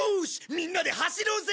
みんなで走ろうぜ！